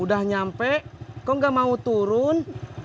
udah nyampe kok gak mau turun